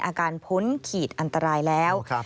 อาการพ้นขีดอันตรายแล้ว